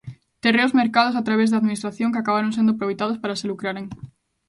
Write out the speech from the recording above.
Terreos mercados a través da Administración que acabaron sendo aproveitados para se lucraren.